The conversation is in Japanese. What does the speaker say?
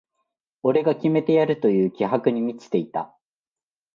俺が決めてやるという気迫に満ちていた